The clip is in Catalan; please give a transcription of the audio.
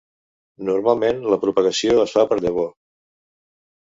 Normalment, la propagació es fa per llavor.